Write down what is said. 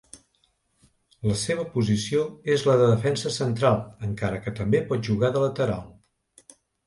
La seva posició és la de defensa central, encara que també pot jugar de lateral.